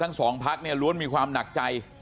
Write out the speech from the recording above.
ทั้งสองพักเนี่ยล้วนมีความหนักใจ